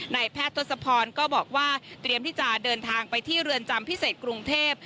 แพทย์ทศพรก็บอกว่าเตรียมที่จะเดินทางไปที่เรือนจำพิเศษกรุงเทพ